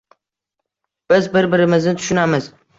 Biz bir-birimizni tushunamiz